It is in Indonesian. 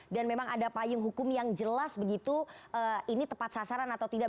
dan memang ada payung hukum yang jelas begitu ini tepat sasaran atau tidak